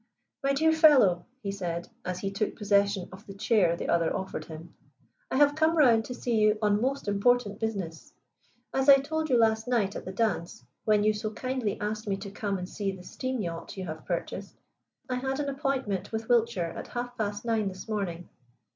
"My dear fellow," he said, as he took possession of the chair the other offered him, "I have come round to see you on most important business. As I told you last night at the dance, when you so kindly asked me to come and see the steam yacht you have purchased, I had an appointment with Wiltshire at half past nine this morning.